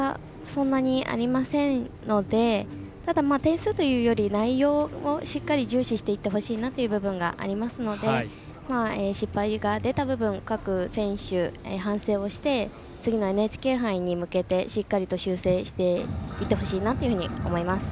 そんなにありませんのでただ、点数というより内容をしっかり重視していってほしいなという部分がありますので失敗が出た部分各選手、反省をして次のＮＨＫ杯に向けてしっかりと修正していってほしいなと思います。